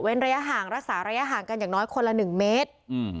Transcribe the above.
ระยะห่างรักษาระยะห่างกันอย่างน้อยคนละ๑เมตร